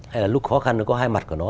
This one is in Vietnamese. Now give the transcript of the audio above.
hay là lúc khó khăn nó có hai mặt của nó